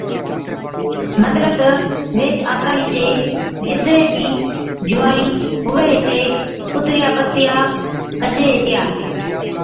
مطلب تہ ويھِچ آڪھِي چي جِتري بِي جُونوائِي (نِياڻي سِياڻي) ھُوَي ھِتي اُترِيا پتِيا ڪجي ھِتيا